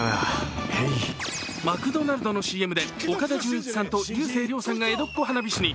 マクドナルドのＣＭで岡田准一さんと竜星涼さんが江戸っ子花火師に。